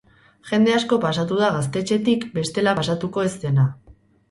Jende asko pasatu da gaztetxetik bestela pasatuko ez zena.